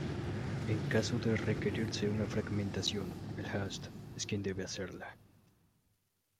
En caso de requerirse una fragmentación; el host, es quien debe hacerla.